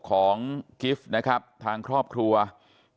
ตรของหอพักที่อยู่ในเหตุการณ์เมื่อวานนี้ตอนค่ำบอกให้ช่วยเรียกตำรวจให้หน่อย